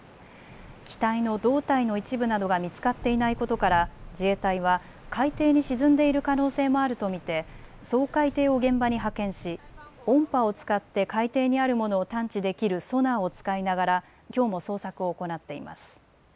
機体の胴体の一部などが見つかっていないことから自衛隊は海底に沈んでいる可能性もあると見て掃海艇を現場に派遣し音波を使って海底にあるものを探知できるソナーを使いながらきょうも捜索を行っています。